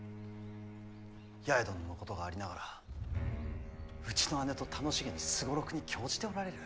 八重殿のことがありながらうちの姉と楽しげに双六に興じておられる。